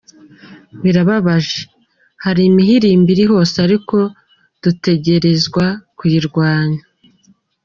"Birababaje, hari imihimbiri hose ariko dutegerezwa kuyigwanya.